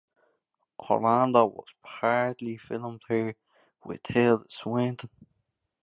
Orlando was partly filmed here with Tilda Swinton.